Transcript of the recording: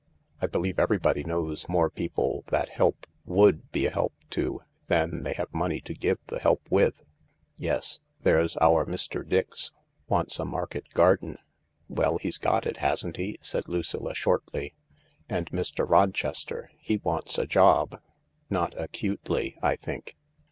" I believe everybody knows more people that help would be a help to than they have money to give the help with." " Yes. There's our Mr. Dix— wants a market garden." " Well, he's got it, hasn't he ?" said Lucilla shortly. " And Mr. Rochester— he wants a job." " Not acutely, I think."